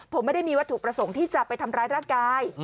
ผมไม่ได้มีวัตถุประสงค์ที่จะไปทำร้ายร่างกาย